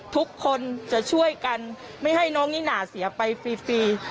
ทุกคนจะช่วยกันไม่ให้น้องนิน่าเสียไปฟรี